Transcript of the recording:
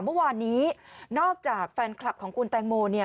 เมื่อวานนี้นอกจากแฟนคลับของคุณแตงโมเนี่ย